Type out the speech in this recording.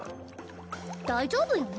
大丈夫よね。